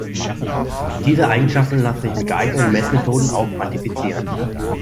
Diese Eigenschaften lassen sich mit geeigneten Messmethoden auch quantifizieren.